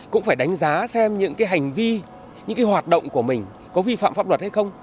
cũng phải đánh giá xem những cái hành vi những cái hoạt động của mình có vi phạm pháp luật hay không